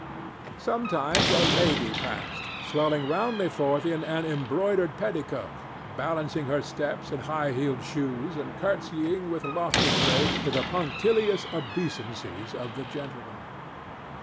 Sometimes a lady passed, swelling roundly forth in an embroidered petticoat, balancing her steps in high heeled shoes and courtesying with lofty grace to the punctilious obeisances of the gentlemen.